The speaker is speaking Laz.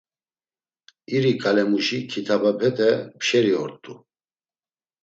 İri ǩalemuşi kitabepete pşeri ort̆u.